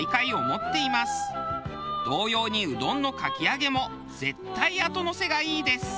同様にうどんのかき揚げも絶対後のせがいいです。